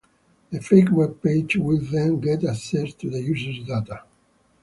The fake web-page will then get access to the user's data.